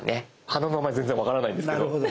花の名前全然分からないんですけど。